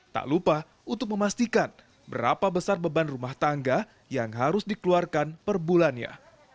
tak lupa untuk memastikan berapa besar beban rumah tangga yang harus dikeluarkan per bulannya